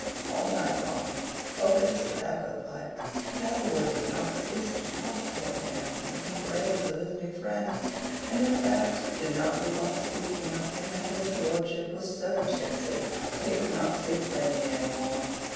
All night long, over his tobacco pipe, Castlewood did not cease to talk to Harry Esmond in praise of his new friend, and in fact did not leave off speaking of him until his lordship was so tipsy that he could not speak plainly any more.